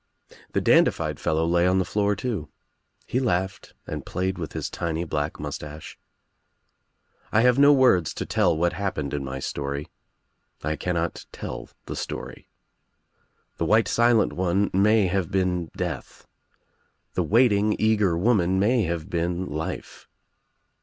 The dandified fellow lay on the floor too. He laughed and played with his tiny black mustache. I have no words to tell what happened in my story. I cannot tell the story. ■ The white silent one may have been Death. The waiting eager woman may have been Life.